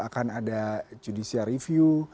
akan ada judisia review